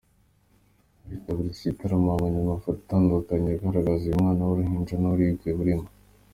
Abitabiriye iki gitaramo babonye amafoto atandukanye agaragaza uyu mwana w’uruhinja n’uburibwe arimo.